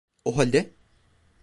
O halde...